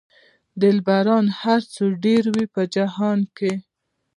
دلبران که هر څو ډېر دي په جهان کې.